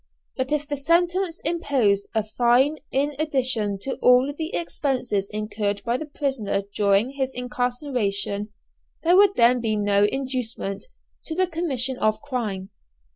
But if the sentence imposed a fine in addition to all the expenses incurred by the prisoner during his incarceration, there would then be no inducement to the commission of crime.